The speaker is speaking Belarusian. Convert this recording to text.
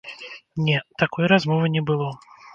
Не, такой размовы не было.